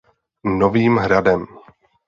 Novým hradem.